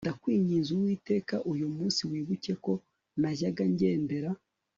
ndakwinginze uwiteka, uyu munsi wibuke ko najyaga ngendera